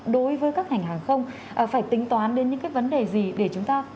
đối với các ngành hàng không phải tính toán đến những cái vấn đề gì để chúng ta